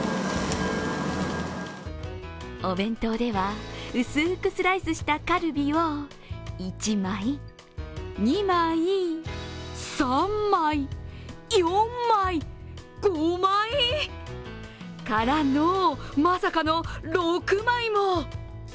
お弁当では、薄くスライスしたカルビを１枚、２枚、３枚、４枚、５枚！からのまさかの６枚も。